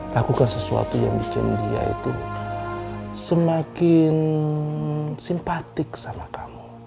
lakukan sesuatu yang bikin dia itu semakin simpatik sama kamu